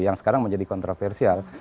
yang sekarang menjadi kontroversial